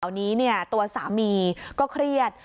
ตอนนี้ตัวสามีก็เครียด